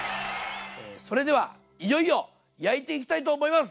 それではいよいよ焼いていきたいと思います！